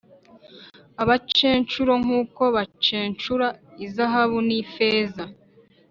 abacenshure nk’uko bacenshura izahabu n’ifeza